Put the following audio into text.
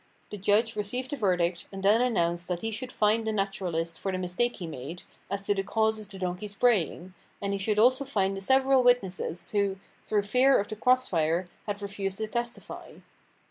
The judge received the verdict, and then announced that he should fine the naturalist for the mistake he made, as to the cause of the donkey's braying, and he should also fine the several witnesses, who, through fear of the cross fire, had refused to testify.